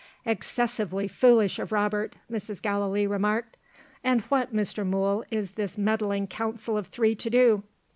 "Excessively foolish of Robert," Mrs. Gallilee remarked. "And what, Mr. Mool, is this meddling council of three to do?"